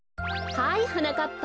はいはなかっぱ。